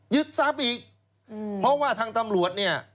ทรัพย์อีกเพราะว่าทางตำรวจเนี่ย